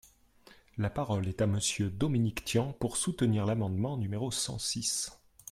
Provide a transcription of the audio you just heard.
La parole est à Monsieur Dominique Tian, pour soutenir l’amendement numéro cent six.